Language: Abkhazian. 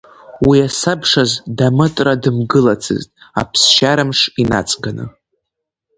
Уи асабшаз Дамытра дымгылацызт, аԥсшьарамш инаҵганы.